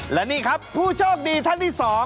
และนี่ครับผู้โชคดีท่านที่๒